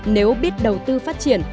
nếu biết đầu tư phát triển